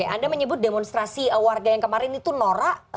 anda menyebut demonstrasi warga yang kemarin itu norak